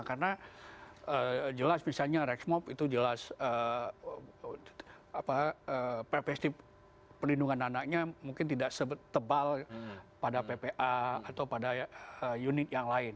karena jelas misalnya reksmob itu jelas prestip perlindungan anaknya mungkin tidak sebeb tebal pada ppa atau pada unit yang lain